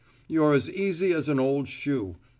You're as easy as an old shoe.